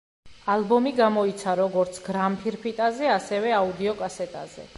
ალბომი გამოიცა როგორც გრამფირფიტაზე, ასევე აუდიოკასეტაზე.